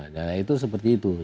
nah itu seperti itu